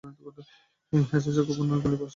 হেজাজের governor Ghalib Pasha এখানে অবস্থান করছিলেন।